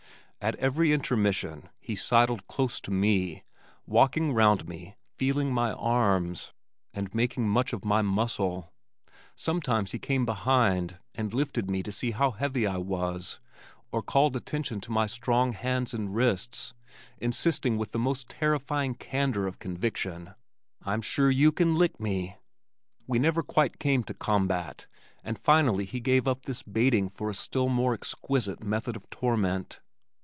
At every intermission he sidled close to me, walking round me, feeling my arms, and making much of my muscle. Sometimes he came behind and lifted me to see how heavy I was, or called attention to my strong hands and wrists, insisting with the most terrifying candor of conviction, "I'm sure you can lick me." We never quite came to combat, and finally he gave up this baiting for a still more exquisite method of torment.